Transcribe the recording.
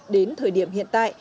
đến thời điểm hiện tại